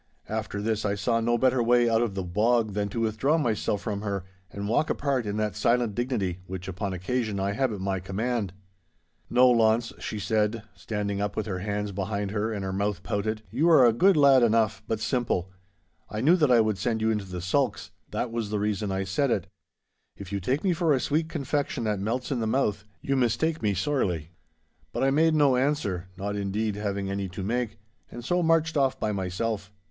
After this I saw no better way out of the bog than to withdraw myself from her, and walk apart in that silent dignity, which, upon occasion, I have at my command. 'No, Launce,' she said, standing up with her hands behind her and her mouth pouted, 'you are a good lad enough, but simple. I knew that I would send you into the sulks. That was the reason I said it. If you take me for a sweet confection that melts in the mouth, you mistake me sorely!' But I made no answer, not indeed having any to make, and so marched off by myself.